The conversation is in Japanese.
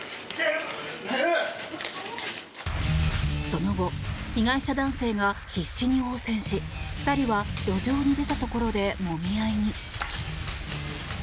その後被害者男性が必死に応戦し２人は路上に出たところでもみ合いに。